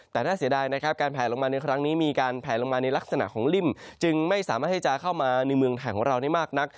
แต่น่าเสียดายนะครับการแผลลงมาในครั้งนี้มีการแผลลงมาในลักษณะของลิ่มจึงไม่สามารถที่จะเข้ามาในเมืองไทยของเราได้มากนัก